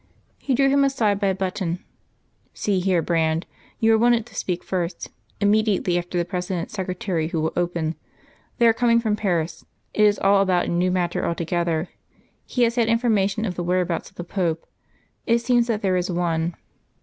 He drew him aside by a button. "See here, Brand, you are wanted to speak first immediately after the President's Secretary who will open; they are coming from Paris. It is about a new matter altogether. He has had information of the whereabouts of the Pope.... It seems that there is one....